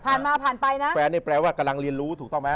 ผ่านมาผ่านไปนะแฟนนี่แปลว่ากำลังเรียนรู้ถูกต้องไหม